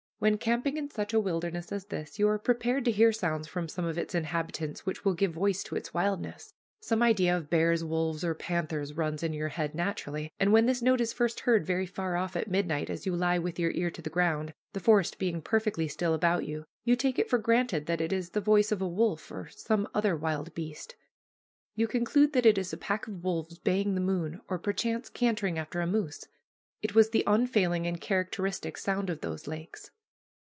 When camping in such a wilderness as this, you are prepared to hear sounds from some of its inhabitants which will give voice to its wildness. Some idea of bears, wolves, or panthers runs in your head naturally, and when this note is first heard very far off at midnight, as you lie with your ear to the ground, the forest being perfectly still about you, you take it for granted that it is the voice of a wolf or some other wild beast, you conclude that it is a pack of wolves baying the moon, or, perchance, cantering after a moose. It was the unfailing and characteristic sound of those lakes.